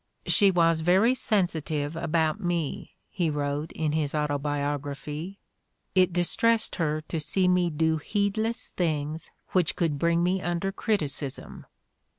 "She was very sensitive about me," he wrote in his Autobiography. "It dis tressed her to see me do heedless things which could bring me under criticism."